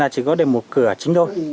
chỉ có để một cửa chính thôi